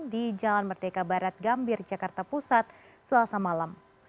di jalan merdeka barat gambir jakarta pusat selasa malam